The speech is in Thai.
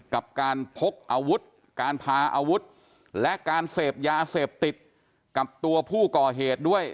กับการพกอาวุธการพาอาวุธและการเสพยาเสพติดกับตัวผู้ก่อเหตุด้วย